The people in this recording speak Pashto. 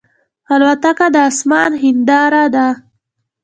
الوتکه د آسمان هنداره ده.